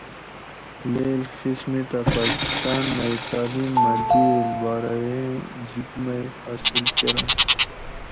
لیڷ قسمِتہ پاکستاۤن مئ تالیم مۤہ دِیٔل بارائ ایں جِب مئ حاصل کۤرنت